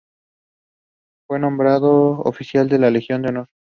Fue nombrado oficial de la Legión de honor.